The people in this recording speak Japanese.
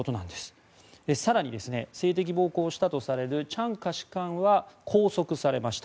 更に、性的暴行をしたとされるチャン下士官は拘束されました。